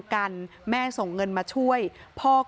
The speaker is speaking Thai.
ฉันกรไม่มีมันยาก